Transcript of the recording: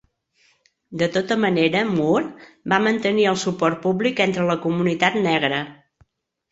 De tota manera Moore va mantenir el suport públic entre la comunitat negra.